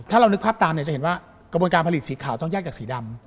ถ้าเรานึกภาพตามเนี่ยจะเห็นว่ากระบวนการผลิตสีขาวต้องแยกจากสีดำ